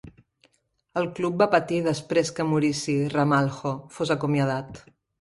El club va patir després que Muricy Ramalho fos acomiadat.